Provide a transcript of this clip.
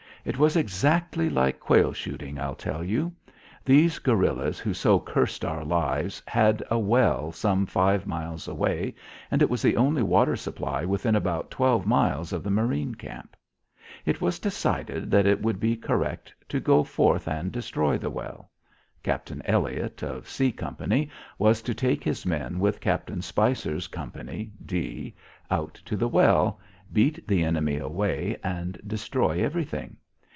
It was exactly like quail shooting. I'll tell you. These guerillas who so cursed our lives had a well some five miles away, and it was the only water supply within about twelve miles of the marine camp. It was decided that it would be correct to go forth and destroy the well. Captain Elliott, of C company, was to take his men with Captain Spicer's company, D, out to the well, beat the enemy away and destroy everything.